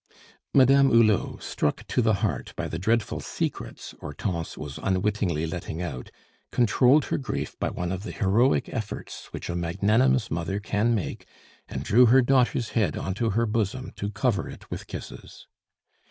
Madame Hulot, struck to the heart by the dreadful secrets Hortense was unwittingly letting out, controlled her grief by one of the heroic efforts which a magnanimous mother can make, and drew her daughter's head on to her bosom to cover it with kisses.